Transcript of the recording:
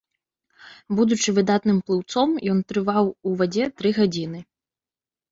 Будучы выдатным плыўцом, ён трываў у вадзе тры гадзіны.